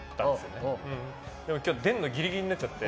でも今日出るのぎりぎりになっちゃって。